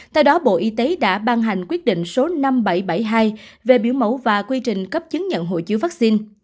theo đó bộ y tế đã ban hành quyết định số năm nghìn bảy trăm bảy mươi hai về biểu mẫu và quy trình cấp chứng nhận hội chứa vaccine